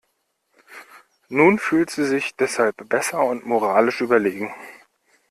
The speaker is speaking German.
Nun fühlt sie sich deshalb besser und moralisch überlegen.